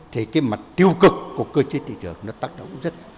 thì cái mặt tiêu cực của cơ chế thị trường nó tác động rất